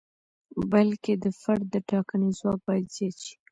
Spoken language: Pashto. بلکې د فرد د ټاکنې ځواک باید زیات شي.